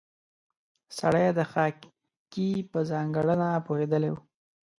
سړی د خاکې په ځانګړنه پوهېدلی و.